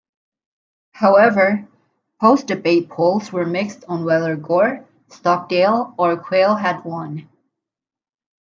However, post-debate polls were mixed on whether Gore, Stockdale or Quayle had won.